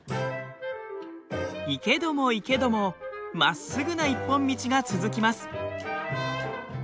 行けども行けどもまっすぐな一本道が続きます。